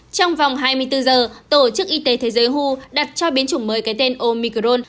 trong vòng hai mươi bốn giờ tổ chức y tế thế giới hu đặt cho biến chủng mới cái tên omicron